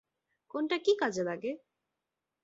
কোনটা কী কাজে লাগে?